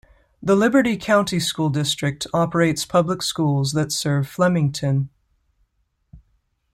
The Liberty County School District operates public schools that serve Flemington.